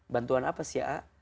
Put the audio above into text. bantuan apa sih ya a